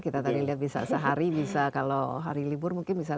kita tadi lihat bisa sehari bisa kalau hari libur mungkin bisa lima ratus ya